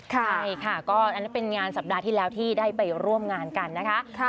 ใช่ค่ะก็อันนั้นเป็นงานสัปดาห์ที่แล้วที่ได้ไปร่วมงานกันนะคะ